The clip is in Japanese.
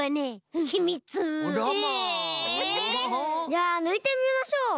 じゃあぬいてみましょう！